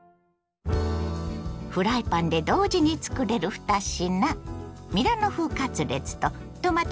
フライパンで同時につくれる２品。